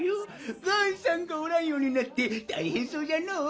ガンさんがおらんようになってたいへんそうじゃのう？